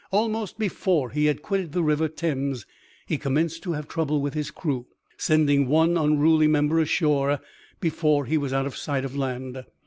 Almost before he had quitted the river Thames he commenced to have trouble with his crew, sending one unruly member ashore before he was out of sight of land.